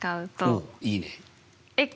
おっいいね。